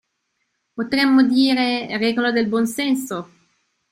Potremmo dire: regole del buon senso!